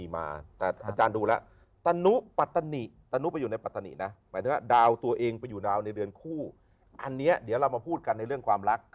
มีความรู้สึกวิว